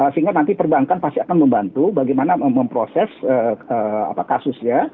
sehingga nanti perbankan pasti akan membantu bagaimana memproses kasusnya